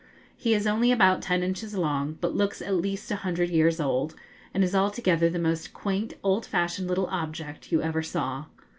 He is only about ten inches long, but looks at least a hundred years old, and is altogether the most quaint, old fashioned little object you ever saw.